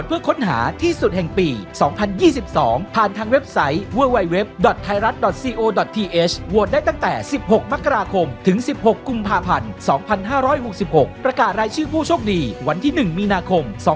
เป็นผู้โชคดีวันที่๑มีนาคมสองพันห้าร้อยหกสิบหก